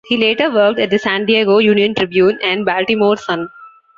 He later worked at the "San Diego Union-Tribune" and "Baltimore Sun".